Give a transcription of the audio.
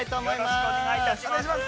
◆よろしくお願いします。